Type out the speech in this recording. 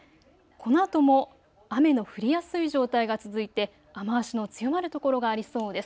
このあとも雨の降りやすい状態が続いて雨足の強まる所がありそうです。